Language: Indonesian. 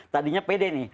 tadinya pede nih